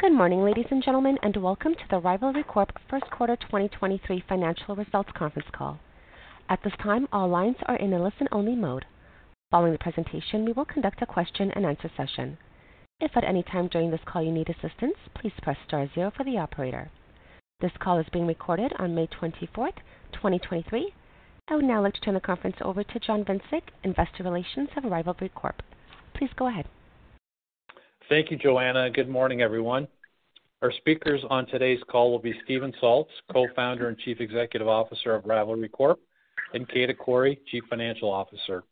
Good morning, ladies and gentlemen, and welcome to the Rivalry Corp First Quarter 2023 Financial Results Conference Call. At this time, all lines are in a listen-only mode. Following the presentation, we will conduct a question-and-answer session. If at any time during this call you need assistance, please press star zero for the operator. This call is being recorded on May 24th, 2023. I would now like to turn the conference over to John Vincic, Investor Relations of Rivalry Corp. Please go ahead. Thank you, Joanna, and good morning, everyone. Our speakers on today's call will be Steven Salz, Co-founder and Chief Executive Officer of Rivalry Corp, and Kejda Qorri, Chief Financial Officer.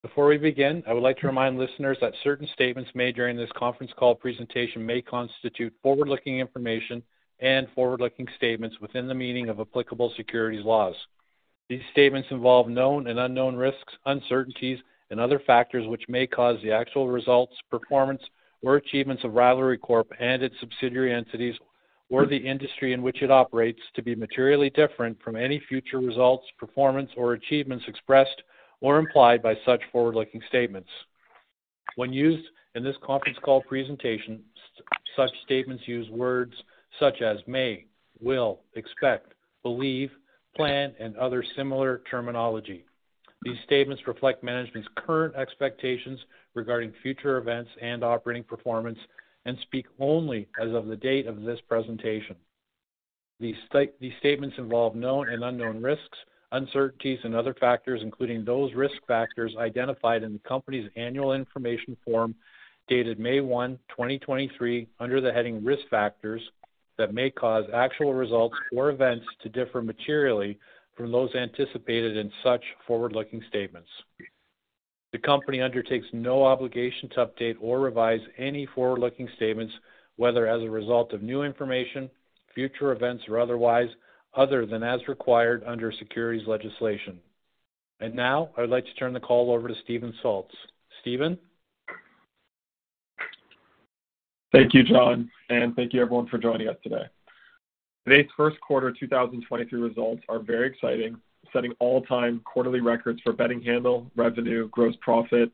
Before we begin, I would like to remind listeners that certain statements made during this conference call presentation may constitute forward-looking information and forward-looking statements within the meaning of applicable securities laws. These statements involve known and unknown risks, uncertainties and other factors which may cause the actual results, performance or achievements of Rivalry Corp and its subsidiary entities or the industry in which it operates to be materially different from any future results, performance or achievements expressed or implied by such forward-looking statements. When used in this conference call presentation, such statements use words such as may, will, expect, believe, plan, and other similar terminology. These statements reflect management's current expectations regarding future events and operating performance and speak only as of the date of this presentation. These statements involve known and unknown risks, uncertainties and other factors, including those risk factors identified in the company's annual information form, dated May 1, 2023, under the heading Risk Factors, that may cause actual results or events to differ materially from those anticipated in such forward-looking statements. The company undertakes no obligation to update or revise any forward-looking statements, whether as a result of new information, future events or otherwise, other than as required under securities legislation. Now I would like to turn the call over to Steven Salz. Steven? Thank you, John. Thank you everyone for joining us today. Today's first quarter 2023 results are very exciting, setting all-time quarterly records for betting handle, revenue, gross profit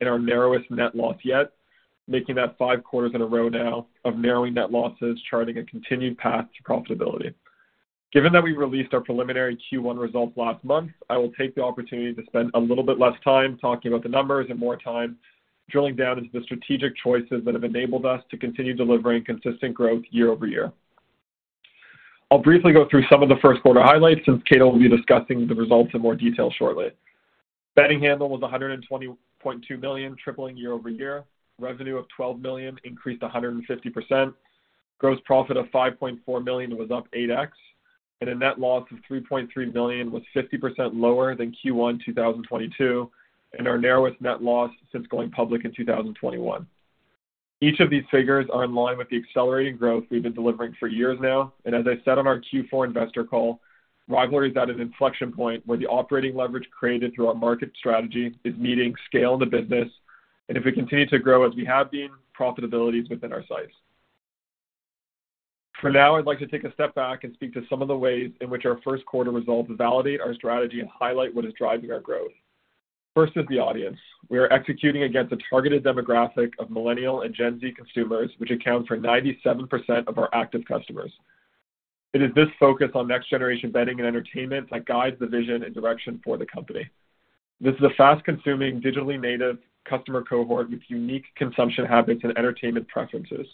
and our narrowest net loss yet, making that five quarters in a row now of narrowing net losses, charting a continued path to profitability. Given that we released our preliminary Q1 results last month, I will take the opportunity to spend a little bit less time talking about the numbers and more time drilling down into the strategic choices that have enabled us to continue delivering consistent growth year-over-year. I'll briefly go through some of the first quarter highlights, since Kate will be discussing the results in more detail shortly. Betting handle was 120.2 million, tripling year-over-year. Revenue of 12 million increased 150%. Gross profit of 5.4 million was up 8x. A net loss of 3.3 million was 50% lower than Q1 2022, and our narrowest net loss since going public in 2021. Each of these figures are in line with the accelerating growth we've been delivering for years now. As I said on our Q4 investor call, Rivalry is at an inflection point where the operating leverage created through our market strategy is meeting scale in the business, and if we continue to grow as we have been, profitability is within our sights. For now, I'd like to take a step back and speak to some of the ways in which our first quarter results validate our strategy and highlight what is driving our growth. First is the audience. We are executing against a targeted demographic of Millennial and Gen Z consumers, which account for 97% of our active customers. It is this focus on next-generation betting and entertainment that guides the vision and direction for the company. This is a fast-consuming, digitally native customer cohort with unique consumption habits and entertainment preferences.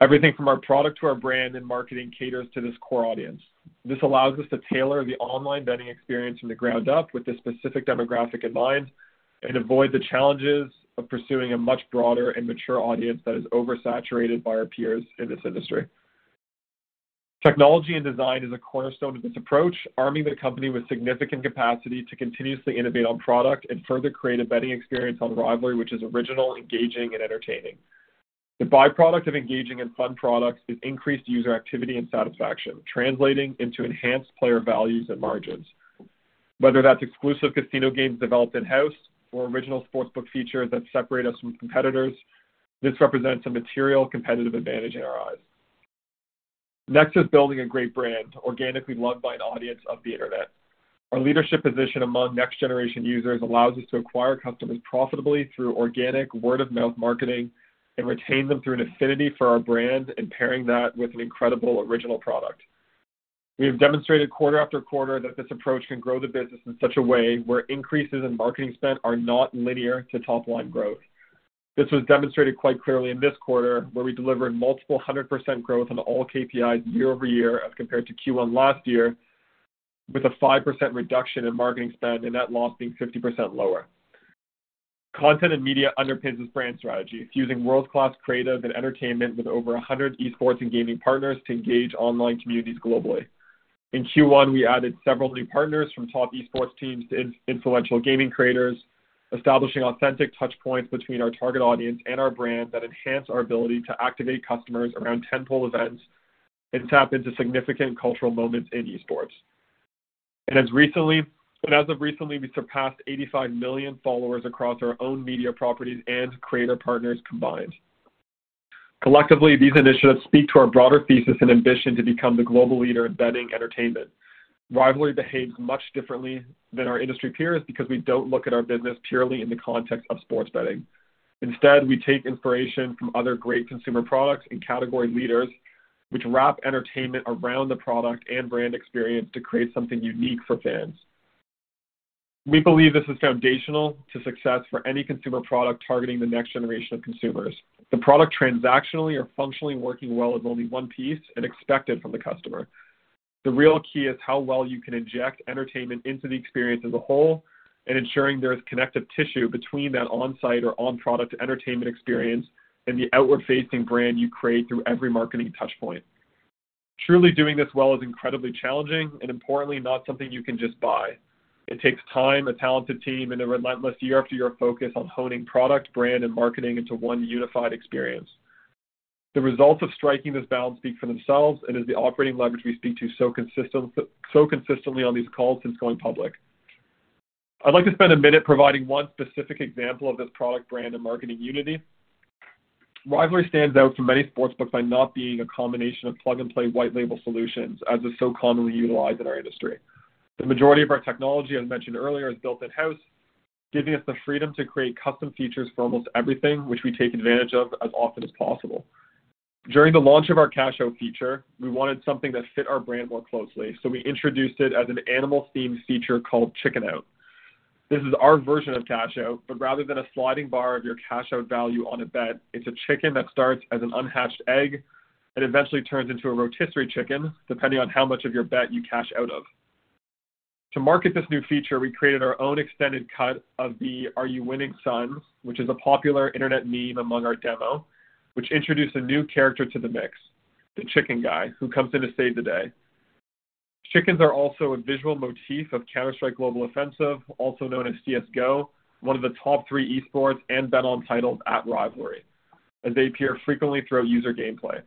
Everything from our product to our brand and marketing caters to this core audience. This allows us to tailor the online betting experience from the ground up with this specific demographic in mind and avoid the challenges of pursuing a much broader and mature audience that is oversaturated by our peers in this industry. Technology and design is a cornerstone of this approach, arming the company with significant capacity to continuously innovate on product and further create a betting experience on Rivalry, which is original, engaging and entertaining. The byproduct of engaging in fun products is increased user activity and satisfaction, translating into enhanced player values and margins. Whether that's exclusive casino games developed in-house or original sportsbook features that separate us from competitors, this represents a material competitive advantage in our eyes. Next is building a great brand organically loved by an audience of the Internet. Our leadership position among next-generation users allows us to acquire customers profitably through organic word-of-mouth marketing and retain them through an affinity for our brand and pairing that with an incredible original product. We have demonstrated quarter after quarter that this approach can grow the business in such a way where increases in marketing spend are not linear to top-line growth. This was demonstrated quite clearly in this quarter, where we delivered multiple 100% growth on all KPIs year-over-year as compared to Q1 last year, with a 5% reduction in marketing spend and net loss being 50% lower. Content and media underpins this brand strategy, fusing world-class creative and entertainment with over 100 esports and gaming partners to engage online communities globally. In Q1, we added several new partners, from top esports teams to influential gaming creators, establishing authentic touch points between our target audience and our brand that enhance our ability to activate customers around tentpole events and tap into significant cultural moments in esports. As of recently, we surpassed 85 million followers across our own media properties and creator partners combined. Collectively, these initiatives speak to our broader thesis and ambition to become the global leader in betting entertainment. Rivalry behaves much differently than our industry peers because we don't look at our business purely in the context of sports betting. Instead, we take inspiration from other great consumer products and category leaders which wrap entertainment around the product and brand experience to create something unique for fans. We believe this is foundational to success for any consumer product targeting the next generation of consumers. The product transactionally or functionally working well is only one piece and expected from the customer. The real key is how well you can inject entertainment into the experience as a whole, and ensuring there is connective tissue between that on-site or on-product entertainment experience and the outward-facing brand you create through every marketing touch point. Truly doing this well is incredibly challenging and importantly, not something you can just buy. It takes time, a talented team, and a relentless year after year focus on honing product, brand, and marketing into one unified experience. The results of striking this balance speak for themselves and is the operating leverage we speak to so consistently on these calls since going public. I'd like to spend a minute providing one specific example of this product brand and marketing unity. Rivalry stands out from many sports books by not being a combination of plug-and-play white label solutions, as is so commonly utilized in our industry. The majority of our technology, as mentioned earlier, is built in-house, giving us the freedom to create custom features for almost everything, which we take advantage of as often as possible. During the launch of our cash-out feature, we wanted something that fit our brand more closely, so we introduced it as an animal-themed feature called Chicken Out. This is our version of cash out, but rather than a sliding bar of your cash out value on a bet, it's a chicken that starts as an unhatched egg and eventually turns into a rotisserie chicken, depending on how much of your bet you cash out of. To market this new feature, we created our own extended cut of the Are You Winning, Son?, which is a popular internet meme among our demo, which introduced a new character to the mix, the Chicken Guy, who comes in to save the day. Chickens are also a visual motif of Counter-Strike: Global Offensive, also known as CS:GO, one of the top three esports and bet on titles at Rivalry, as they appear frequently through user gameplay.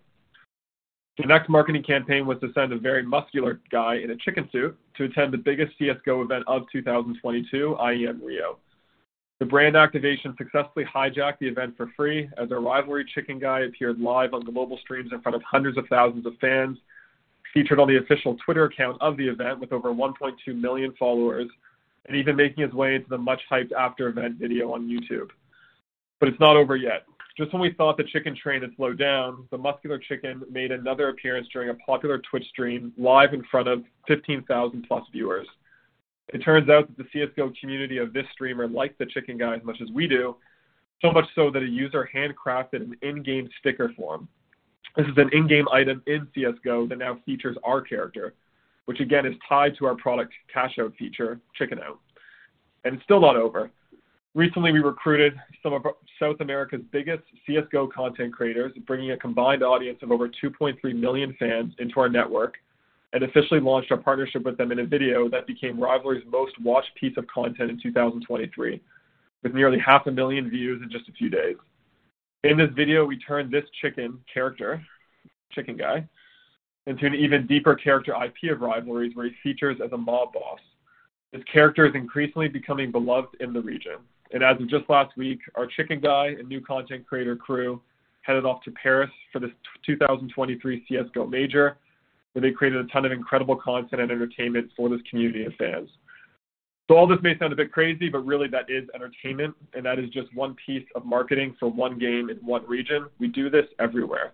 The next marketing campaign was to send a very muscular guy in a chicken suit to attend the biggest CS:GO event of 2022, IEM Rio. The brand activation successfully hijacked the event for free, as a Rivalry Chicken Guy appeared live on the global streams in front of hundreds of thousands of fans, featured on the official Twitter account of the event with over 1.2 million followers, and even making his way into the much-hyped after event video on YouTube. It's not over yet. Just when we thought the chicken train had slowed down, the muscular chicken made another appearance during a popular Twitch stream live in front of 15,000+ viewers. It turns out that the CS:GO community of this streamer liked the Chicken Guy as much as we do, so much so that a user handcrafted an in-game sticker for him. This is an in-game item in CS:GO that now features our character, which again is tied to our product cash out feature, Chicken Out. It's still not over. Recently, we recruited some of South America's biggest CS:GO content creators, bringing a combined audience of over 2.3 million fans into our network and officially launched our partnership with them in a video that became Rivalry's most-watched piece of content in 2023, with nearly half a million views in just a few days. In this video, we turn this chicken character, Chicken Guy, into an even deeper character IP of Rivalry's, where he features as a mob boss. This character is increasingly becoming beloved in the region. As of just last week, our Chicken Guy and new content creator crew headed off to Paris for the 2023 CS:GO Major, where they created a ton of incredible content and entertainment for this community of fans. All this may sound a bit crazy, but really that is entertainment, and that is just 1 piece of marketing for one game in one region. We do this everywhere.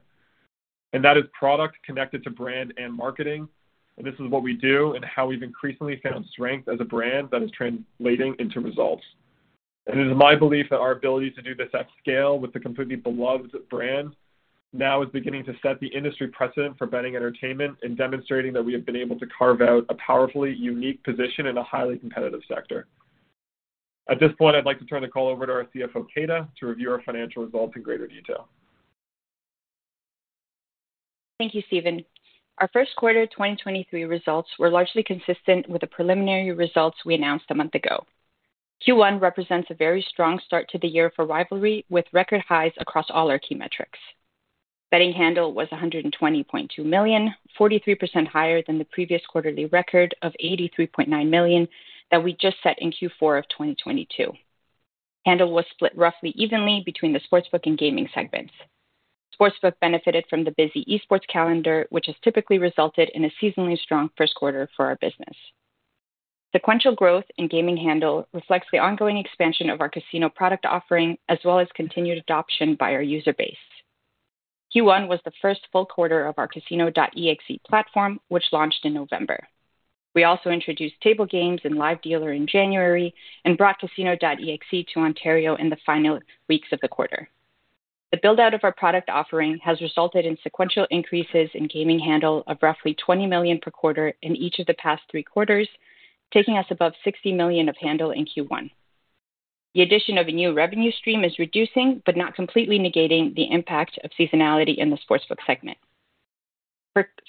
That is product connected to brand and marketing, and this is what we do and how we've increasingly found strength as a brand that is translating into results. It is my belief that our ability to do this at scale with a completely beloved brand now is beginning to set the industry precedent for betting entertainment and demonstrating that we have been able to carve out a powerfully unique position in a highly competitive sector. At this point, I'd like to turn the call over to our CFO, Kejda, to review our financial results in greater detail. Thank you, Steven. Our first quarter 2023 results were largely consistent with the preliminary results we announced a month ago. Q1 represents a very strong start to the year for Rivalry, with record highs across all our key metrics. Betting handle was 120.2 million, 43% higher than the previous quarterly record of 83.9 million that we just set in Q4 of 2022. Handle was split roughly evenly between the sportsbook and gaming segments. Sportsbook benefited from the busy esports calendar, which has typically resulted in a seasonally strong first quarter for our business. Sequential growth in gaming handle reflects the ongoing expansion of our casino product offering, as well as continued adoption by our user base. Q1 was the first full quarter of our Casino.exe platform, which launched in November. We also introduced table games and live dealer in January and brought Casino.exe to Ontario in the final weeks of the quarter. The build-out of our product offering has resulted in sequential increases in gaming handle of roughly 20 million per quarter in each of the past three quarters, taking us above 60 million of handle in Q1.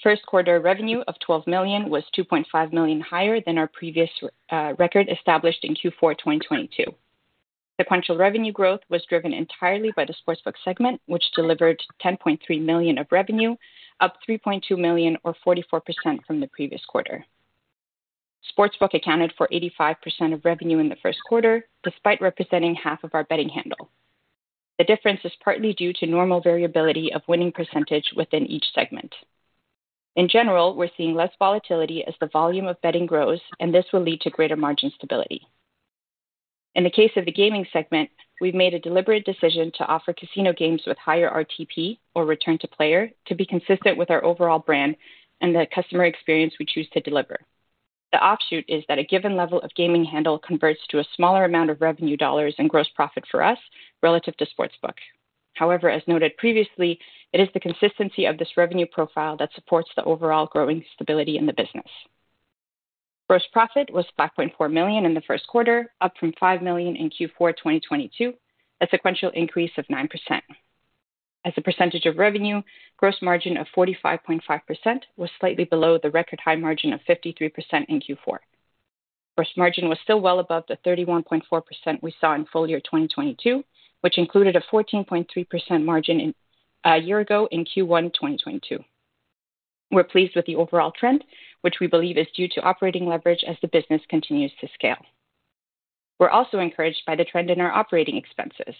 First quarter revenue of 12 million was 2.5 million higher than our previous record established in Q4 2022. Sequential revenue growth was driven entirely by the sportsbook segment, which delivered 10.3 million of revenue, up 3.2 million or 44% from the previous quarter. Sportsbook accounted for 85% of revenue in the first quarter, despite representing half of our betting handle. The difference is partly due to normal variability of winning percentage within each segment. In general, we're seeing less volatility as the volume of betting grows, and this will lead to greater margin stability. In the case of the gaming segment, we've made a deliberate decision to offer casino games with higher RTP or Return to Player to be consistent with our overall brand and the customer experience we choose to deliver. The offshoot is that a given level of gaming handle converts to a smaller amount of CAD revenue dollars and CAD gross profit for us relative to Sportsbook. As noted previously, it is the consistency of this revenue profile that supports the overall growing stability in the business. Gross profit was 5.4 million in the first quarter, up from 5 million in Q4 2022, a sequential increase of 9%. As a percentage of revenue, gross margin of 45.5% was slightly below the record high margin of 53% in Q4. Gross margin was still well above the 31.4% we saw in full year 2022, which included a 14.3% margin a year ago in Q1 2022. We're pleased with the overall trend, which we believe is due to operating leverage as the business continues to scale. We're also encouraged by the trend in our operating expenses.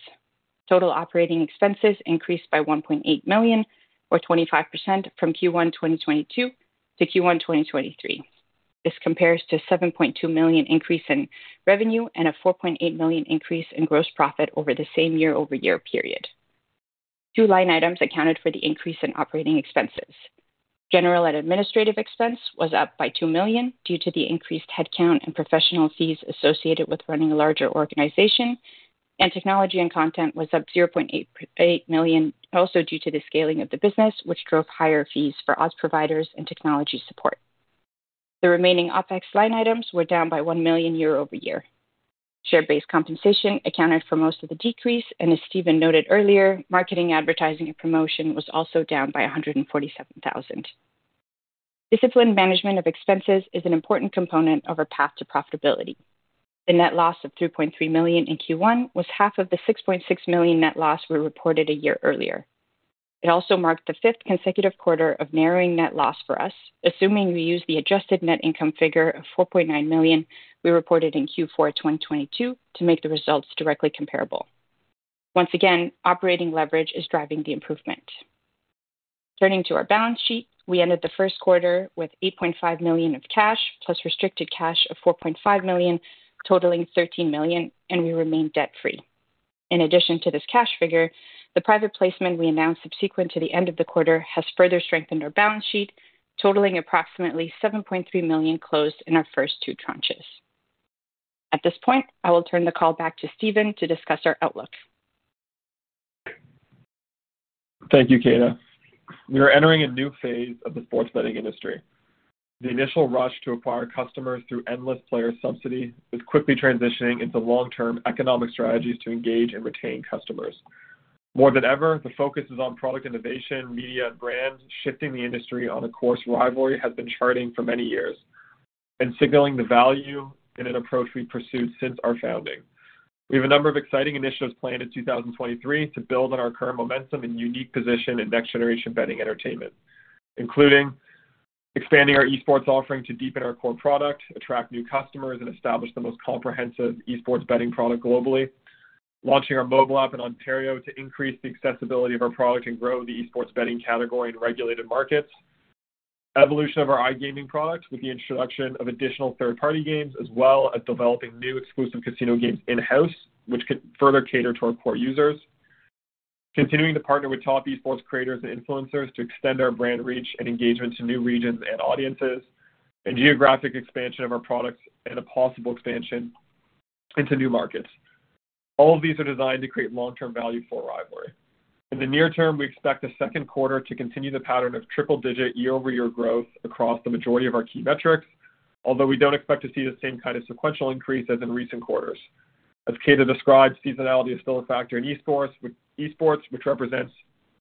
Total operating expenses increased by 1.8 million, or 25% from Q1 2022 to Q1 2023. This compares to a 7.2 million increase in revenue and a 4.8 million increase in gross profit over the same year-over-year period. Two line items accounted for the increase in operating expenses. General and administrative expense was up by 2 million due to the increased headcount and professional fees associated with running a larger organization. Technology and content was up 0.8 million, also due to the scaling of the business, which drove higher fees for odds providers and technology support. The remaining OpEx line items were down by CAD 1 million year-over-year. Share-based compensation accounted for most of the decrease. As Steven Salz noted earlier, marketing, advertising and promotion was also down by 147,000. Disciplined management of expenses is an important component of our path to profitability. The net loss of 3.3 million in Q1 was half of the 6.6 million net loss we reported a year earlier. It also marked the fifth consecutive quarter of narrowing net loss for us, assuming we use the adjusted net income figure of 4.9 million we reported in Q4, 2022 to make the results directly comparable. Once again, operating leverage is driving the improvement. Turning to our balance sheet, we ended the first quarter with 8.5 million of cash plus restricted cash of 4.5 million, totaling 13 million, and we remain debt-free. In addition to this cash figure, the private placement we announced subsequent to the end of the quarter has further strengthened our balance sheet, totaling approximately 7.3 million closed in our first two tranches. At this point, I will turn the call back to Steven to discuss our outlook. Thank you, Kejda. We are entering a new phase of the sports betting industry. The initial rush to acquire customers through endless player subsidy is quickly transitioning into long-term economic strategies to engage and retain customers. More than ever, the focus is on product innovation, media, and brand, shifting the industry on a course Rivalry has been charting for many years and signaling the value in an approach we've pursued since our founding. We have a number of exciting initiatives planned in 2023 to build on our current momentum and unique position in next-generation betting entertainment, including expanding our esports offering to deepen our core product, attract new customers, and establish the most comprehensive esports betting product globally. Launching our mobile app in Ontario to increase the accessibility of our product and grow the esports betting category in regulated markets. Evolution of our iGaming products with the introduction of additional third-party games, as well as developing new exclusive casino games in-house, which can further cater to our core users. Continuing to partner with top esports creators and influencers to extend our brand reach and engagement to new regions and audiences. Geographic expansion of our products and a possible expansion into new markets. All of these are designed to create long-term value for Rivalry. In the near term, we expect the second quarter to continue the pattern of triple-digit year-over-year growth across the majority of our key metrics. We don't expect to see the same kind of sequential increase as in recent quarters. As Kejda described, seasonality is still a factor in esports, which represents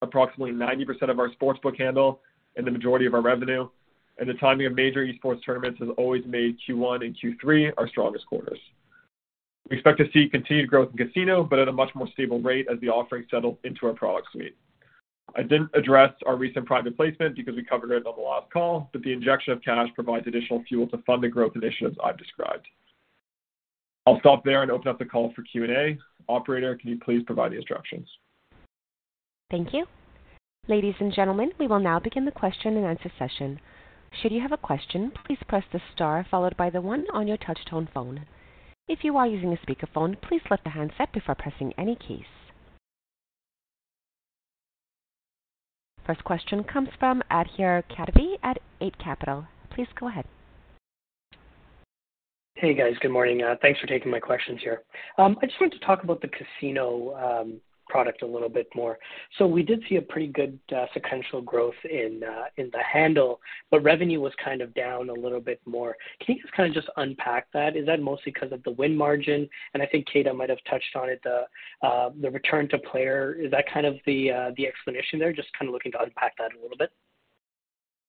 approximately 90% of our sportsbook handle and the majority of our revenue, and the timing of major esports tournaments has always made Q1 and Q3 our strongest quarters. We expect to see continued growth in casino, but at a much more stable rate as the offerings settle into our product suite. I didn't address our recent private placement because we covered it on the last call, but the injection of cash provides additional fuel to fund the growth initiatives I've described. I'll stop there and open up the call for Q&A. Operator, can you please provide the instructions? Thank you. Ladies and gentlemen, we will now begin the question and answer session. Should you have a question, please press the star followed by the one on your touch tone phone. If you are using a speakerphone, please lift the handset before pressing any keys. First question comes from Adhir Kadve at Eight Capital. Please go ahead. Hey, guys. Good morning. Thanks for taking my questions here. I just want to talk about the casino product a little bit more. We did see a pretty good sequential growth in the handle, but revenue was kind of down a little bit more. Can you just kinda just unpack that? Is that mostly 'cause of the win margin? I think Kejda might have touched on it, the Return to Player. Is that kind of the explanation there? Just kinda looking to unpack that a little bit.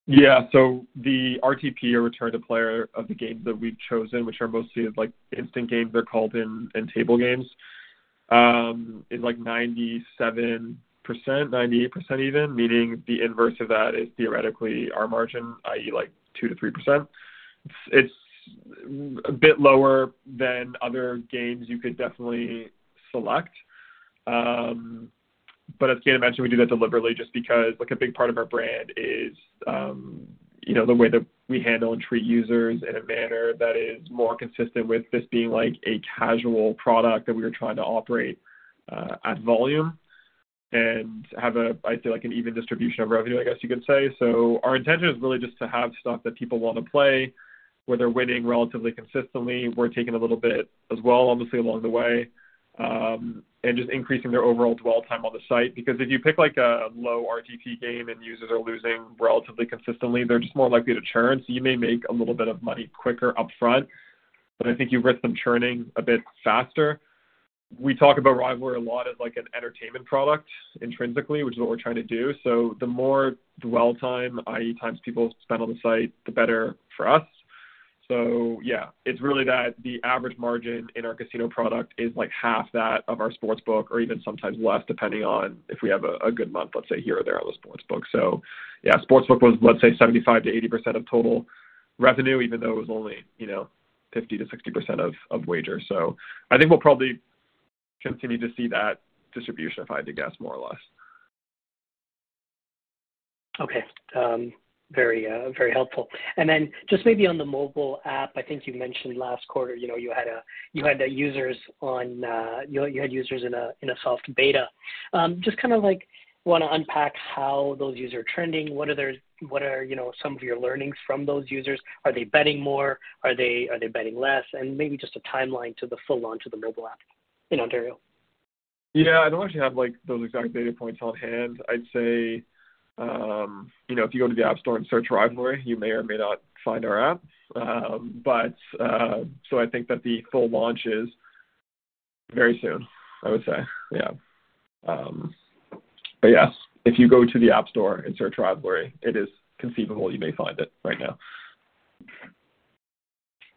Yeah. The RTP or Return to Player of the games that we've chosen, which are mostly like instant games, they're called in table games, is like 97%, 98% even, meaning the inverse of that is theoretically our margin, i.e., like 2%-3%. It's a bit lower than other games you could definitely select. As Kejda mentioned, we do that deliberately just because like a big part of our brand is, you know, the way that we handle and treat users in a manner that is more consistent with this being like a casual product that we are trying to operate at volume and have a, I'd say, like an even distribution of revenue, I guess you could say. Our intention is really just to have stuff that people want to play, where they're winning relatively consistently. We're taking a little bit as well, obviously, along the way, and just increasing their overall dwell time on the site. Because if you pick like a low RGP game and users are losing relatively consistently, they're just more likely to churn. You may make a little bit of money quicker upfront, but I think you risk them churning a bit faster. We talk about Rivalry a lot as like an entertainment product intrinsically, which is what we're trying to do. The more dwell time, i.e., times people spend on the site, the better for us. Yeah, it's really that the average margin in our casino product is like half that of our Sportsbook, or even sometimes less, depending on if we have a good month, let's say, here or there on the Sportsbook. Yeah, Sportsbook was, let's say, 75%-80% of total revenue, even though it was only, you know, 50%-60% of wagers. I think we'll probably continue to see that distribution, if I had to guess, more or less. Okay. Very, very helpful. Then just maybe on the mobile app, I think you mentioned last quarter, you know, you had users on, you know, you had users in a soft beta. Just kinda like wanna unpack how those users are trending. What are, you know, some of your learnings from those users? Are they betting more? Are they betting less? Maybe just a timeline to the full launch of the mobile app in Ontario. I don't actually have, like, those exact data points on hand. I'd say, you know, if you go to the App Store and search Rivalry, you may or may not find our app. I think that the full launch is very soon, I would say. Yes, if you go to the App Store and search Rivalry, it is conceivable you may find it right now.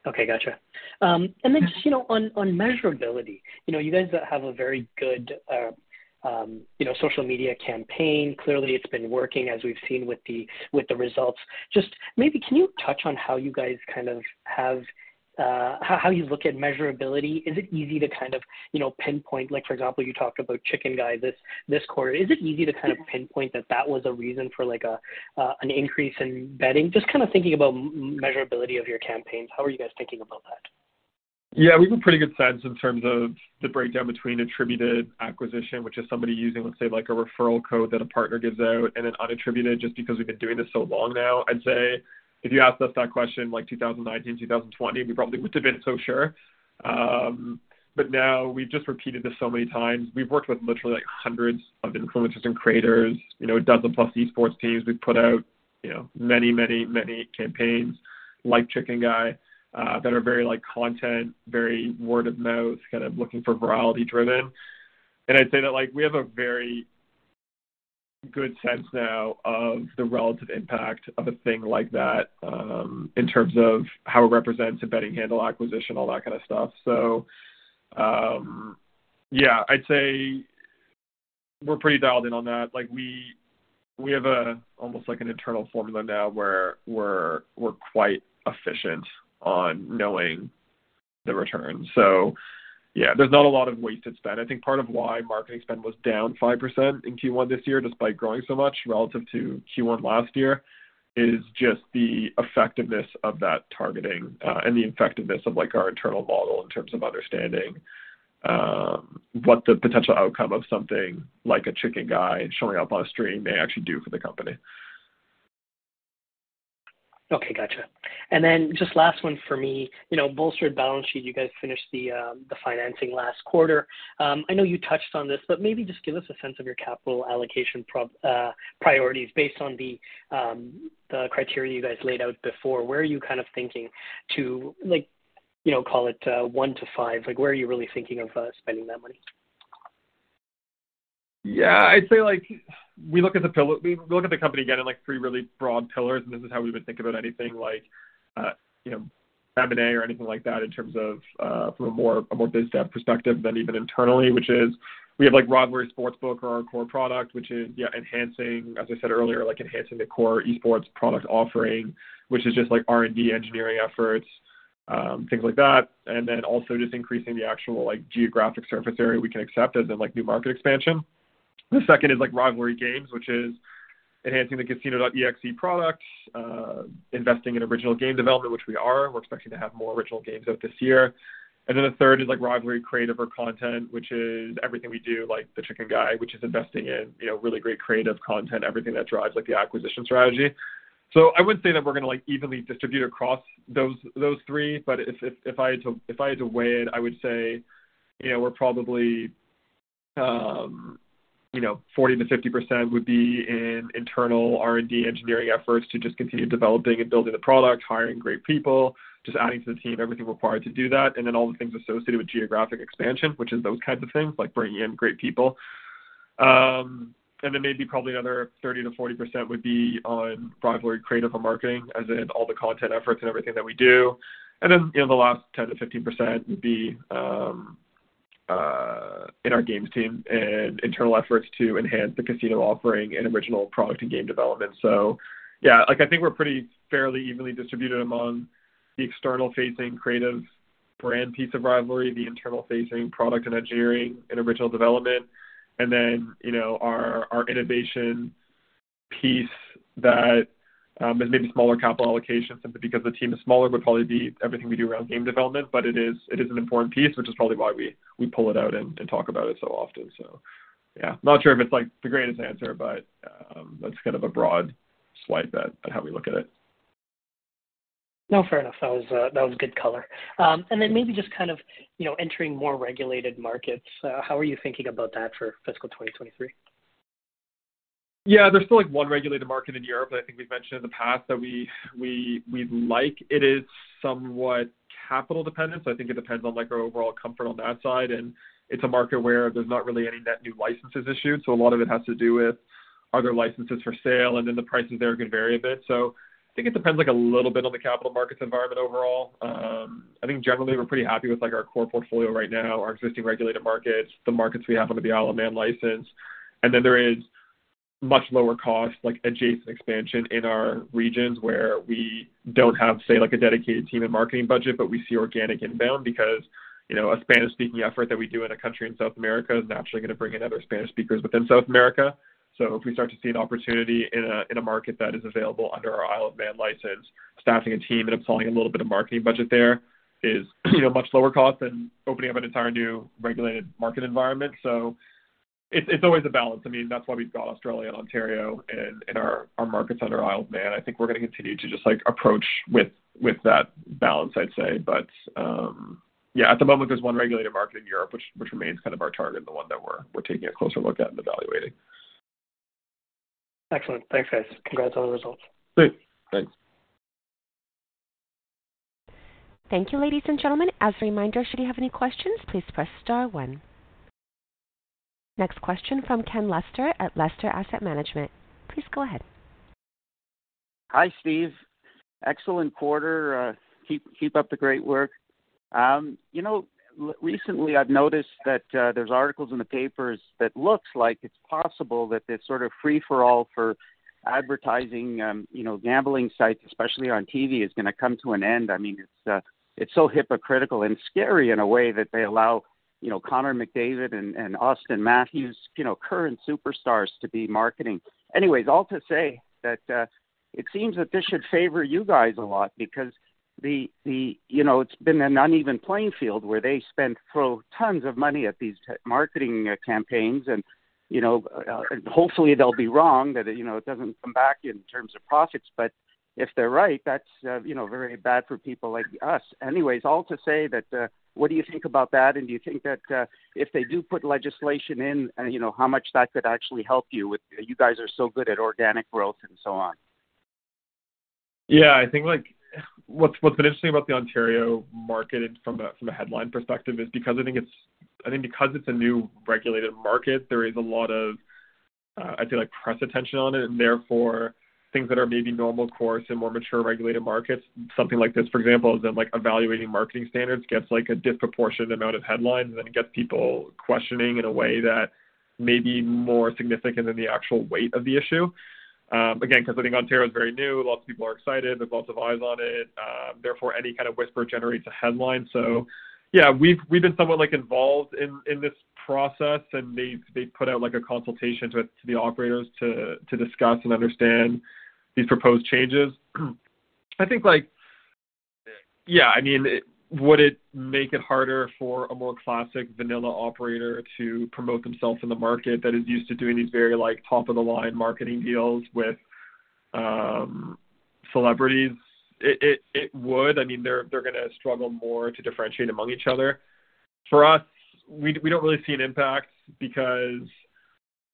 Okay. Gotcha. Just, you know, on measurability, you know, you guys have a very good, you know, social media campaign. Clearly, it's been working as we've seen with the results. Just maybe can you touch on how you guys kind of have, how you look at measurability? Is it easy to kind of, you know, pinpoint, like, for example, you talked about Chicken Guy this quarter? Is it easy to kind of pinpoint that that was a reason for like an increase in betting? Just kinda thinking about measurability of your campaigns. How are you guys thinking about that? Yeah. We have a pretty good sense in terms of the breakdown between attributed acquisition, which is somebody using, let's say, like a referral code that a partner gives out, and then unattributed, just because we've been doing this so long now. I'd say if you asked us that question in like 2019, 2020, we probably wouldn't have been so sure. Now we've just repeated this so many times. We've worked with literally like hundreds of influencers and creators, you know, a dozen-plus esports teams. We've put out, you know, many, many, many campaigns like Chicken Guy, that are very like content, very word of mouth, kind of looking for virality driven. I'd say that like we have a very good sense now of the relative impact of a thing like that, in terms of how it represents a betting handle acquisition, all that kind of stuff. Yeah, I'd say we're pretty dialed in on that. Like, we have a almost like an internal formula now where we're quite efficient on knowing the return. Yeah, there's not a lot of wasted spend. I think part of why marketing spend was down 5% in Q1 this year despite growing so much relative to Q1 last year is just the effectiveness of that targeting, and the effectiveness of like our internal model in terms of understanding, what the potential outcome of something like a Chicken Guy showing up on a stream may actually do for the company. Okay. Gotcha. Just last one for me. You know, bolstered balance sheet, you guys finished the financing last quarter. I know you touched on this, but maybe just give us a sense of your capital allocation priorities based on the criteria you guys laid out before. Where are you kind of thinking to like, you know, call it one to five. Where are you really thinking of spending that money? Yeah. I'd say like we look at the company again in like three really broad pillars. This is how we would think about anything like, you know, M&A or anything like that in terms of from a more, a more biz dev perspective than even internally, which is we have like Rivalry Sportsbook or our core product, which is, yeah, enhancing, as I said earlier, like enhancing the core esports product offering, which is just like R&D engineering efforts, things like that. Also just increasing the actual like geographic surface area we can accept as in like new market expansion. The second is like Rivalry Games, which is enhancing the Casino.exe product, investing in original game development, which we are. We're expecting to have more original games out this year. The third is like Rivalry Creative or Content, which is everything we do, like the Chicken Guy, which is investing in, you know, really great creative content, everything that drives like the acquisition strategy. I would say that we're gonna like evenly distribute across those three. If I had to weigh it, I would say, you know, we're probably, you know, 40%-50% would be in internal R&D engineering efforts to just continue developing and building the product, hiring great people, just adding to the team, everything required to do that. All the things associated with geographic expansion, which is those kinds of things, like bringing in great people. Then maybe probably another 30%-40% would be on Rivalry Creative and Marketing, as in all the content efforts and everything that we do. Then, you know, the last 10%-15% would be in our games team and internal efforts to enhance the casino offering and original product and game development. Yeah, like I think we're pretty fairly evenly distributed among the external facing creative brand piece of Rivalry, the internal facing product and engineering and original development. Then, you know, our innovation piece that is maybe smaller capital allocations simply because the team is smaller, would probably be everything we do around game development. It is, it is an important piece, which is probably why we pull it out and talk about it so often. Yeah, not sure if it's like the greatest answer, but that's kind of a broad swipe at how we look at it. No, fair enough. That was, that was good color. Maybe just kind of, you know, entering more regulated markets, how are you thinking about that for fiscal 2023? Yeah, there's still, like, one regulated market in Europe that I think we've mentioned in the past that we'd like. It is somewhat capital dependent, I think it depends on, like, our overall comfort on that side. It's a market where there's not really any net new licenses issued, a lot of it has to do with are there licenses for sale? The prices there are going to vary a bit. I think it depends, like, a little bit on the capital markets environment overall. I think generally we're pretty happy with, like, our core portfolio right now, our existing regulated markets, the markets we have under the Isle of Man license. There is much lower cost, like adjacent expansion in our regions where we don't have, say, like a dedicated team and marketing budget, but we see organic inbound because, you know, a Spanish-speaking effort that we do in a country in South America is naturally going to bring in other Spanish speakers within South America. If we start to see an opportunity in a, in a market that is available under our Isle of Man license, staffing a team and applying a little bit of marketing budget there is, you know, much lower cost than opening up an entire new regulated market environment. It's, it's always a balance. I mean, that's why we've got Australia and Ontario and our markets under Isle of Man. I think we're going to continue to just like approach with that balance, I'd say. Yeah, at the moment there's one regulated market in Europe which remains kind of our target and the one that we're taking a closer look at and evaluating. Excellent. Thanks, guys. Congrats on the results. Great. Thanks. Thank you, ladies and gentlemen. As a reminder, should you have any questions, please press star one. Next question from Ken Lester at Lester Asset Management. Please go ahead. Hi, Steve. Excellent quarter. keep up the great work. you know, recently I've noticed that there's articles in the papers that looks like it's possible that this sort of free-for-all for advertising, you know, gambling sites, especially on TV, is gonna come to an end. I mean, it's so hypocritical and scary in a way that they allow, you know, Connor McDavid and Auston Matthews, you know, current superstars to be marketing. Anyways, all to say that it seems that this should favor you guys a lot because the... You know, it's been an uneven playing field where they spend tons of money at these marketing campaigns and, you know, hopefully they'll be wrong, that, you know, it doesn't come back in terms of profits. If they're right, that's, you know, very bad for people like us. Anyways, all to say that, what do you think about that, and do you think that, if they do put legislation in, you know, how much that could actually help you with, you guys are so good at organic growth and so on? I think, like, what's been interesting about the Ontario market from a headline perspective is because I think because it's a new regulated market, there is a lot of, I'd say, like, press attention on it, therefore things that are maybe normal course in more mature regulated markets, something like this, for example, is that, like, evaluating marketing standards gets like a disproportionate amount of headlines and it gets people questioning in a way that may be more significant than the actual weight of the issue. Again, because I think Ontario is very new, lots of people are excited, there's lots of eyes on it, therefore any kind of whisper generates a headline. Yeah, we've been somewhat like involved in this process and they've put out like a consultation to the operators to discuss and understand these proposed changes. I think like, yeah, I mean, would it make it harder for a more classic vanilla operator to promote themselves in the market that is used to doing these very like top of the line marketing deals with celebrities? It would. I mean, they're gonna struggle more to differentiate among each other. For us, we don't really see an impact because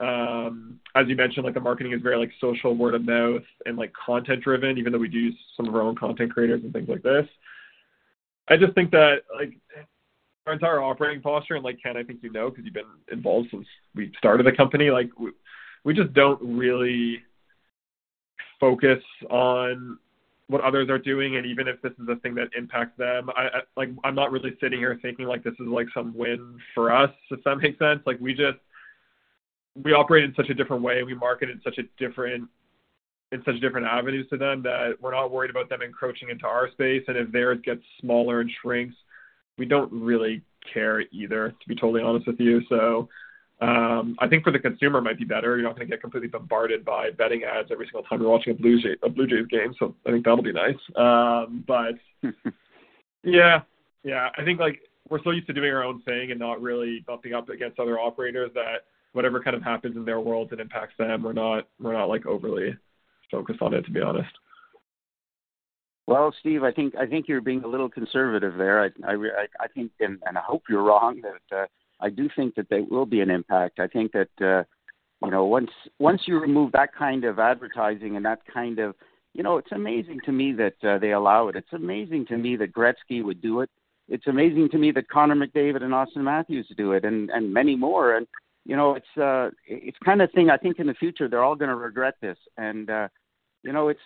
as you mentioned, like the marketing is very like social, word of mouth and like content driven, even though we do use some of our own content creators and things like this. I just think that like our entire operating posture, and like, Ken, I think you know because you've been involved since we started the company, like we just don't really focus on what others are doing. Even if this is a thing that impacts them, like I'm not really sitting here thinking like this is like some win for us, if that makes sense. Like we just, we operate in such a different way. We market in such different avenues to them that we're not worried about them encroaching into our space. If theirs gets smaller and shrinks, we don't really care either, to be totally honest with you. I think for the consumer it might be better. You're not gonna get completely bombarded by betting ads every single time you're watching a Blue Jays game. I think that'll be nice. Yeah. Yeah, I think like we're so used to doing our own thing and not really bumping up against other operators that whatever kind of happens in their world that impacts them, we're not, we're not like overly focused on it, to be honest. Well, Steve, I think you're being a little conservative there. I think, and I hope you're wrong that, I do think that there will be an impact. I think that, you know, once you remove that kind of advertising and that kind of... You know, it's amazing to me that they allow it. It's amazing to me that Gretzky would do it. It's amazing to me that Connor McDavid and Auston Matthews do it and many more. You know, it's kind of thing I think in the future, they're all gonna regret this. You know, it's,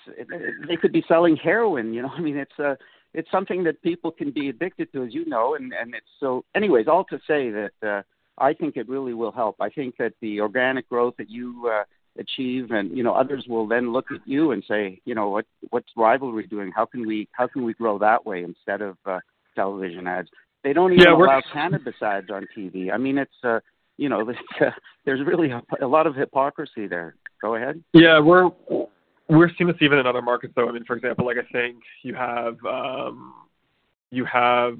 they could be selling heroin, you know? I mean, it's something that people can be addicted to, as you know, and it's so... Anyways, all to say that, I think it really will help. I think that the organic growth that you achieve and, you know, others will then look at you and say, "You know what? What's Rivalry doing? How can we grow that way instead of television ads? Yeah. They don't even allow cannabis ads on TV. I mean, it's, you know, there's really a lot of hypocrisy there. Go ahead. Yeah. We're seeing this even in other markets, though. I mean, for example, like, I think you have, you have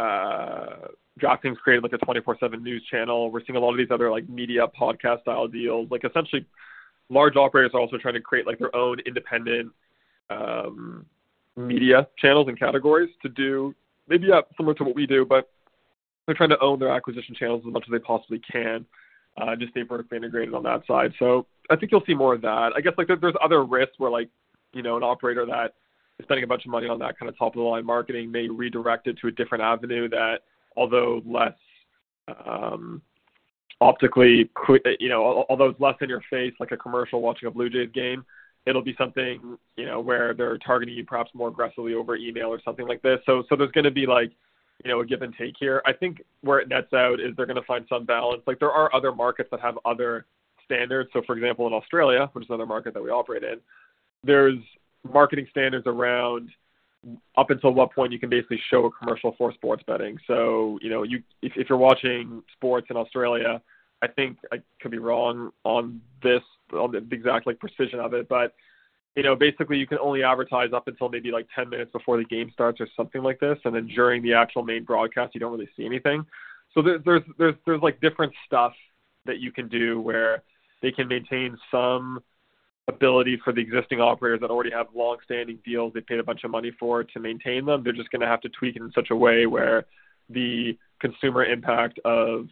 DraftKings created, like, a 24/7 news channel. We're seeing a lot of these other, like, media podcast-style deals. Essentially large operators are also trying to create, like, their own independent media channels and categories to do maybe, yeah, similar to what we do, but they're trying to own their acquisition channels as much as they possibly can, just stay vertically integrated on that side. I think you'll see more of that. I guess, like, there's other risks where, like, you know, an operator that is spending a bunch of money on that kind of top-of-the-line marketing may redirect it to a different avenue that although less, optically, you know, although it's less in your face, like a commercial watching a Blue Jays game, it'll be something, you know, where they're targeting you perhaps more aggressively over email or something like this. There's gonna be like, you know, a give and take here. I think where it nets out is they're gonna find some balance. Like, there are other markets that have other standards. For example, in Australia, which is another market that we operate in, there's marketing standards around up until what point you can basically show a commercial for sports betting. You know, if you're watching sports in Australia, I think I could be wrong on this, on the exact, like, precision of it, you know, basically you can only advertise up until maybe, like, 10 minutes before the game starts or something like this, and then during the actual main broadcast you don't really see anything. There's like different stuff that you can do where they can maintain some ability for the existing operators that already have long-standing deals they paid a bunch of money for to maintain them. They're just gonna have to tweak it in such a way where the consumer impact of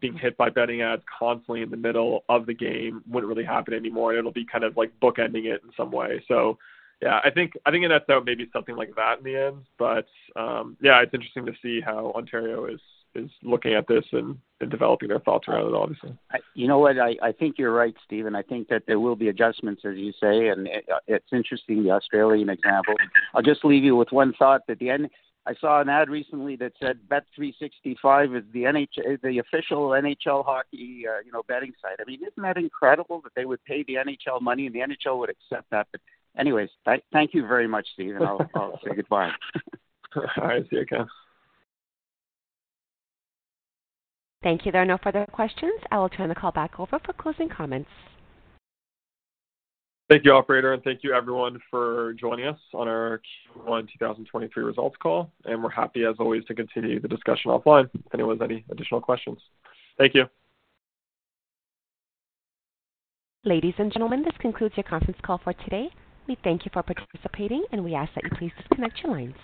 being hit by betting ads constantly in the middle of the game wouldn't really happen anymore. It'll be kind of like bookending it in some way. Yeah, I think, I think it nets out maybe something like that in the end. Yeah, it's interesting to see how Ontario is looking at this and developing their thoughts around it, obviously. You know what? I think you're right, Steven. I think that there will be adjustments, as you say. It's interesting, the Australian example. I'll just leave you with one thought at the end. I saw an ad recently that said, "bet365 is the official NHL hockey, you know, betting site." I mean, isn't that incredible that they would pay the NHL money and the NHL would accept that? Anyways, thank you very much, Steven. I'll say goodbye. All right. See you, Ken. Thank you. There are no further questions. I will turn the call back over for closing comments. Thank you, operator, thank you everyone for joining us on our Q1 2023 results call, we're happy as always to continue the discussion offline if anyone has any additional questions. Thank you. Ladies and gentlemen, this concludes your conference call for today. We thank you for participating, and we ask that you please disconnect your lines.